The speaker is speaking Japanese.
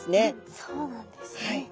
そうなんですね。